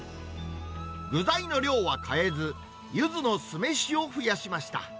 具材の量は変えず、ゆずの酢飯を増やしました。